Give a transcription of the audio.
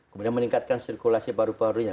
kemudian meningkatkan sirkulasi paru parunya